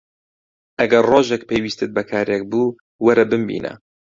ئەگەر ڕۆژێک پێویستت بە کارێک بوو، وەرە بمبینە.